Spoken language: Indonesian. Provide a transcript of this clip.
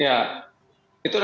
saya tidak akan menerima uang